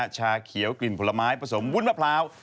ชาเขียวกลิ่นผลไม้ผสมวุ้นมะพร้าว